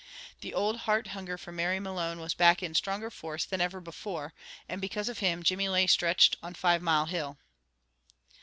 The old heart hunger for Mary Malone was back in stronger force than ever before; and because of him Jimmy lay stretched on Five Mile Hill.